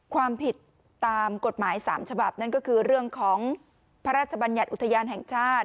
ความผิดตามกฎหมาย๓ฉบับนั่นก็คือเรื่องของพระราชบัญญัติอุทยานแห่งชาติ